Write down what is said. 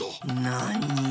なに？